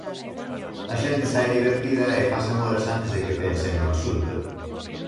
A xente sae divertida e pasan horas antes de que pensen no asunto.